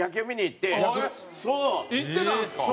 行ってたんですか？